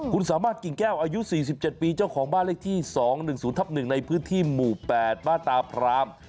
คุณสามารถกิ่งแก้วอายุ๔๗ปีเจ้าของบ้านเลขที่๒๑๐ทับ๑ในพื้นที่หมู่๘บ้านตาพราม